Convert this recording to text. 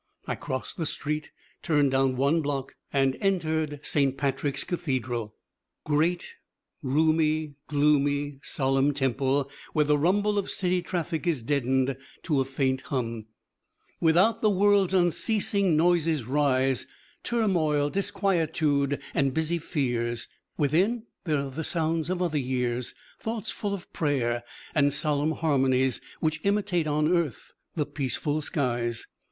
I crossed the street, turned down one block, and entered Saint Patrick's Cathedral. Great, roomy, gloomy, solemn temple, where the rumble of city traffic is deadened to a faint hum: "Without, the world's unceasing noises rise, Turmoil, disquietude and busy fears; Within, there are the sounds of other years, Thoughts full of prayer and solemn harmonies Which imitate on earth the peaceful skies."